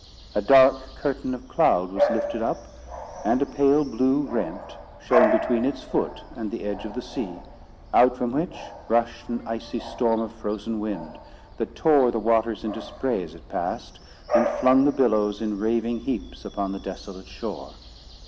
A dark curtain of cloud was lifted up, and a pale blue rent shone between its foot and the edge of the sea, out from which rushed an icy storm of frozen wind, that tore the waters into spray as it passed, and flung the billows in raving heaps upon the desolate shore.